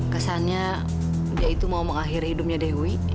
kesannya dia itu mau mengakhiri hidupnya dewi